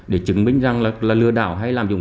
để chứng minh rằng là lừa đảo hay làm dụng